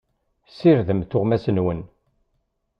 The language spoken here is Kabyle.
Ssirdem tuɣmas-nwen.